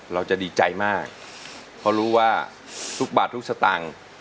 เราจะดีใจมากเพราะรู้ว่าทุกบาททุกสตางค์